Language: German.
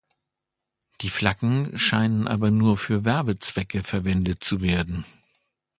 Die Flaggen scheinen aber nur für Werbezwecke verwendet zu werden.